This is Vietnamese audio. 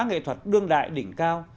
nghệ thuật đương đại đỉnh cao